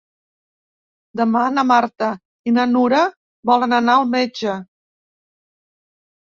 Demà na Marta i na Nura volen anar al metge.